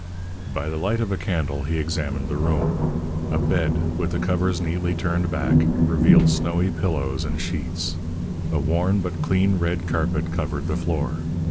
By the light of a candle he examined the room. A bed, with the covers neatly turned back, revealed snowy pillows and sheets. A worn, but clean, red carpet covered the floor.